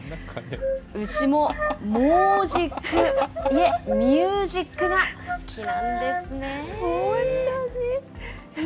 牛もモージック、いえ、ミュージックが好きなんですね。